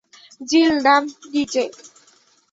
জিল নাম নিচে।